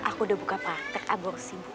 aku udah buka praktek aborsi